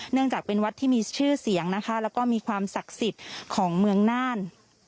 จากเป็นวัดที่มีชื่อเสียงนะคะแล้วก็มีความศักดิ์สิทธิ์ของเมืองน่าน